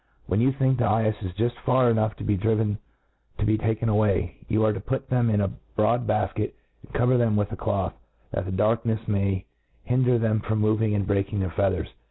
• When you thmk the eyeffes jtift far enough driven to be taken away, you are to put them in a broad bafkct, and cover them with a clotfi, that the darknefs may hinder them from moving and breaking their feathers.